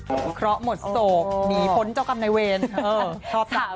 วิเคราะห์หมดโศกหนีพ้นเจ้ากรรมนายเวร